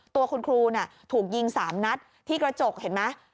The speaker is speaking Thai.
ตัวคุณครูถูกยิง๓นัดที่กระจกเห็นไหม